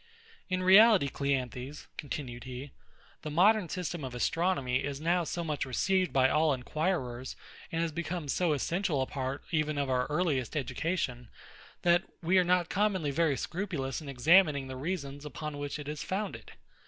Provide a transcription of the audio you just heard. In reality, CLEANTHES, continued he, the modern system of astronomy is now so much received by all inquirers, and has become so essential a part even of our earliest education, that we are not commonly very scrupulous in examining the reasons upon which it is founded.